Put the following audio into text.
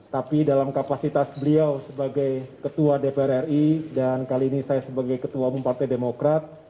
tapi dalam kapasitas beliau sebagai ketua dpr ri dan kali ini saya sebagai ketua umum partai demokrat